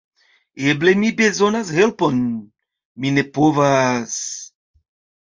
Eble mi bezonas helpon... mi ne povas...